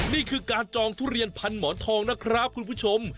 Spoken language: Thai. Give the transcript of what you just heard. นี่คือการจองทุเรียนพันหมอนทองนะครับคุณผู้ชม